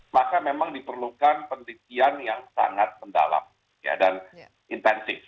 maka memang diperlukan penelitian yang sangat mendalam dan intensif